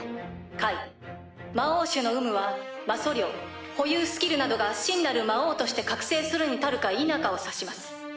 解魔王種の有無は魔素量保有スキルなどが真なる魔王として覚醒するに足るか否かを指します。